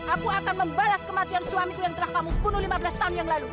aku akan membalas kematian suamiku yang telah kamu bunuh lima belas tahun yang lalu